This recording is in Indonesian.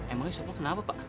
emangnya sukma kenapa pak